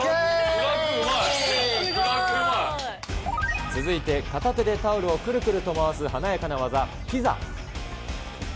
フラッグ、うまい。続いて、片手でタオルをくるくると回す華やかな技、ピザ。